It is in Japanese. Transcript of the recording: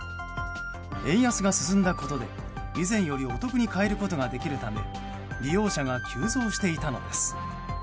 円安が進んだことで以前よりお得に替えることができるため利用者が急増していたのです。